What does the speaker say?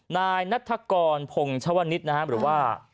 นายนัฐกรพงชวนิตนะครับหรือว่า